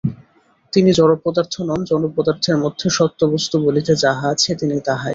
তিনি জড়পদার্থ নন, জড়পদার্থের মধ্যে সত্যবস্তু বলিতে যাহা আছে, তিনি তাহাই।